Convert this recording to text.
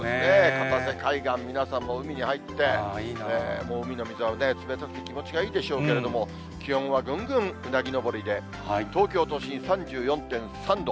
片瀬海岸、皆さんも海に入って、もう海の水は冷たくて気持ちがいいでしょうけれども、気温はぐんぐんうなぎ登りで、東京都心３４．３度。